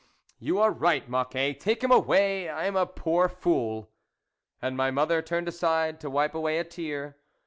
" You are right, Mocquet ! take him away ! I am a poor fool." And my mother turned aside, to wipe away a tear.